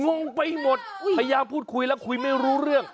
งงไปหมดพยายามพูดคุยแล้วคุยไม่รู้เรื่อง